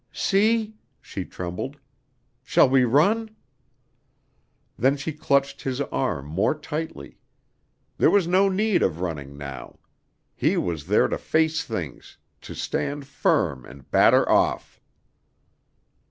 "See," she trembled. "Shall we run?" Then she clutched his arm more tightly. There was no need of running now. He was there to face things to stand firm and batter off.